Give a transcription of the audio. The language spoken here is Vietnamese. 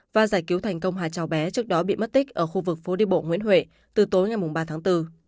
và giải cứu thành công hai cháu bé trước đó bị mất tích ở khu vực phố đi bộ nguyễn huệ từ tối ngày ba tháng bốn